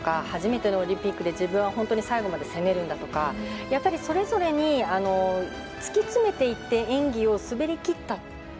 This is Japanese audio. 初めてのオリンピックで自分は最後まで滑りきるんだとかやっぱりそれぞれに突き詰めていって演技を滑り切った。